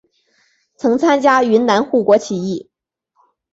曾参加云南护国起义。